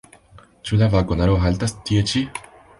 Ĉu la vagonaro haltas tie ĉi?